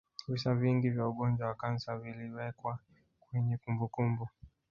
visa vingi vya ugonjwa wa kansa viliwekwa kwenye kumbukumbu